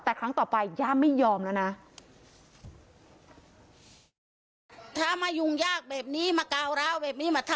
แต่ครั้งต่อไปย่าไม่ยอมแล้วนะ